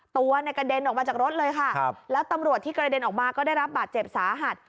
ตัวเนี่ยกระเด็นออกมาจากรถเลยค่ะแล้วตำรวจที่กระเด็นออกมาก็ได้รับบาดเจ็บสาหัส